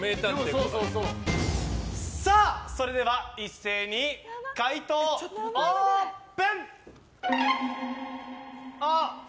それでは一斉に解答をオープン！